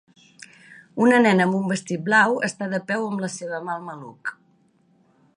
Una nena amb un vestit blau està de peu amb la seva mà al maluc.